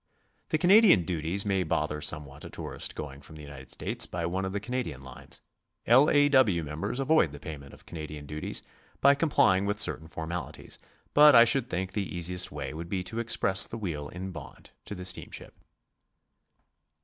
The Canadian duties may boither somewhat a tourist gcxing from the United States by one of the Canadian lines. L. A. W. members avoid the payment of Canadian duties by complying with certain formalities, but I should think the easiest way would be to express the wheel in bond to the steamship.